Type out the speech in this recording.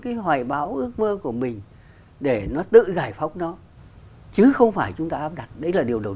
cái hoài báo ước mơ của mình để nó tự giải phóng nó chứ không phải chúng ta áp đặt đấy là điều đầu